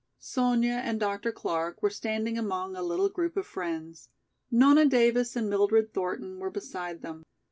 Sonya and Dr. Clark were standing among a little group of friends. Nona Davis and Mildred Thornton were beside them.